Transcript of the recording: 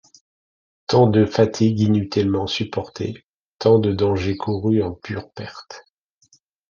Tant de fatigues inutilement supportées, tant de dangers courus en pure perte!